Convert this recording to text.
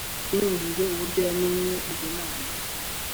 Abajijwe uburyo yamenye izo nama